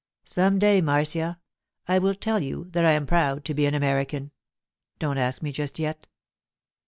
'Some day, Marcia, I will tell you that I'm proud to be an American. Don't ask me just yet.